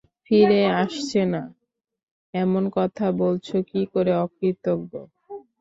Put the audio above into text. ফিরে আসছে না, এমন কথা বলছ কী করে অকৃতজ্ঞ?